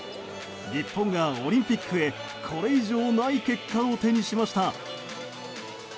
日本がオリンピックへこれ以上ない結果を手にしました。